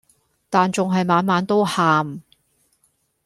但仲係晚晚都喊